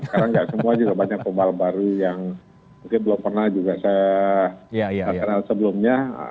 sekarang nggak semua juga banyak pembalap baru yang mungkin belum pernah juga saya kenal sebelumnya